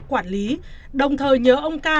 quản lý đồng thời nhớ ông ca